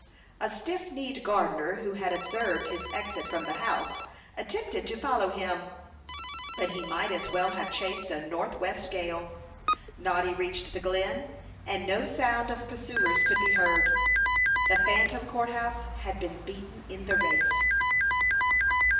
A stiff kneed gardener, who had observed his exit from the house, attempted to follow him; but he might as well have chased a northwest gale. Noddy reached the Glen, and no sound of pursuers could be heard. The phantom court house had been beaten in the race.